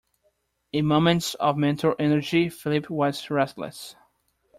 In moments of mental energy Philip was restless.